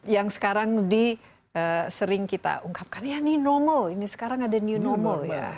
yang sekarang disering kita ungkapkan ya ini normal ini sekarang ada new normal